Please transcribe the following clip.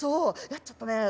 やっちゃったねえ。